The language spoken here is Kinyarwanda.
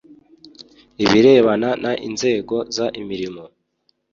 Ibirebana n inzego z imirimo